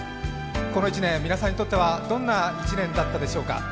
この１年、皆さんにとってはどんな１年だったでしょうか。